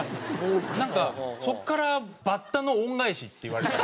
なんかそこから「バッタの恩返し」って言われた。